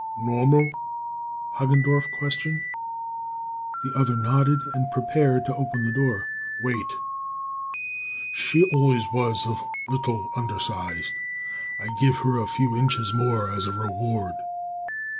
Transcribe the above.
"Normal?" Hagendorff questioned. The other nodded and prepared to open the door. "Wait! She always was a little undersized; I give her a few inches more as a reward."